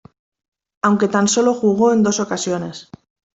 Aunque tan sólo jugó en dos ocasiones.